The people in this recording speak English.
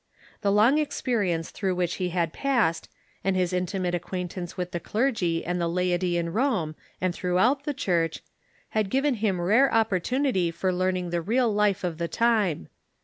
The long experience through which he had passed, and his intimate acquaintance with the clergy and the laity in Rome and throughout the Church, had given him rare opportunity for learning the real life of the time.